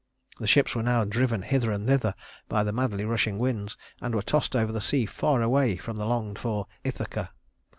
The ships were now driven hither and thither by the madly rushing winds, and were tossed over the sea far away from the longed for Ithaca.